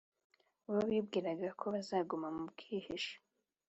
Bo bibwiraga ko bazaguma mu bwihisho,